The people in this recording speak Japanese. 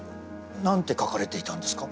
何て書かれていたんですか？